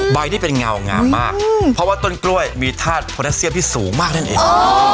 ที่เป็นเงางามมากเพราะว่าต้นกล้วยมีธาตุโพนัสเซียมที่สูงมากนั่นเอง